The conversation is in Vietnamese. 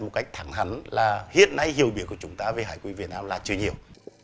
một cách thẳng hẳn là hiện nay hiểu biết của chúng ta về hải quỷ việt nam là chưa nhiều